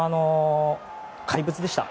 怪物でした。